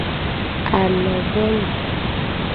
Alobolu.